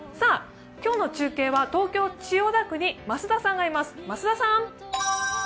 今日の中継は東京・千代田区に増田さんがいます。